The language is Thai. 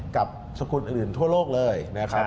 กับสกุลอื่นทั่วโลกเลยนะครับ